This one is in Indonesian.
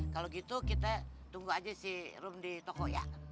kalau gitu kita tunggu aja si room di toko ya